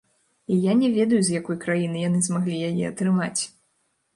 І я не ведаю, з якой краіны яны змаглі яе атрымаць.